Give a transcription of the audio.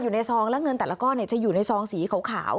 ซองและเงินแต่ละก้อนจะอยู่ในซองสีขาว